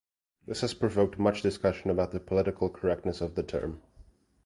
This has provoked much discussion about the political correctness of the term.